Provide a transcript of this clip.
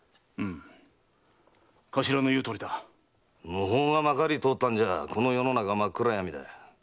無法がまかりとおったんじゃこの世の中真っ暗闇だ。